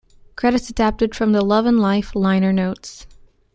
Credits adapted from the "Love and Life" liner notes.